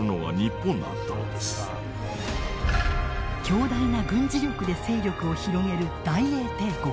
強大な軍事力で勢力を広げる大英帝国。